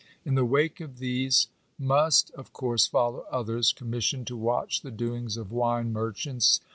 In the wake of these must, of course, follow others, commissioned to watch the doings of wine merchants.